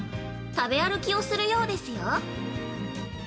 食べ歩きをするようですよ。